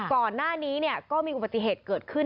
ก่อนหน้านี้ก็มีอุบัติเหตุเกิดขึ้น